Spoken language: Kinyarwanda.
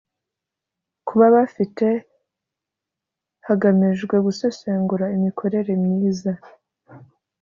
kuba bafite hagamijwe gusesengura imikorere myiza